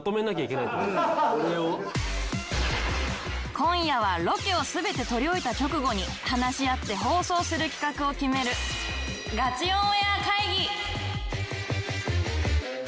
今夜はロケを全て撮り終えた直後に話し合って放送する企画を決めるガチオンエア会議！